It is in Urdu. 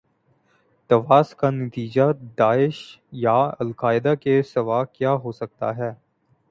تواس کا نتیجہ داعش یا القاعدہ کے سوا کیا ہو سکتا ہے؟